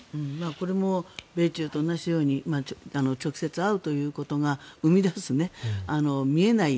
これも米中と同じように直接会うということが生み出す見えない